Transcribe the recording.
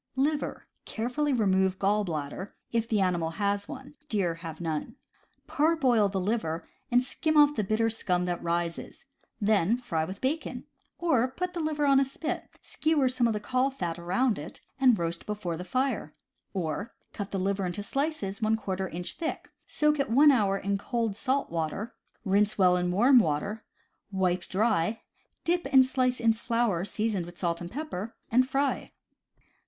Liver. — Carefully remove gall bladder, if the animal has one — deer have none. Parboil the liver, and skim off the bitter scum that rises; then fry with bacon; or, put the liver on a spit, skewer some of the caul fat around it, and roast before the fire; or, cut the liver into slices | inch thick, soak it one hour in cold salt water, rinse well in warm water, wipe dry, dip each slice in flour seasoned with salt and pepper, and fry.